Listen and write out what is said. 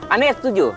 anda ya setuju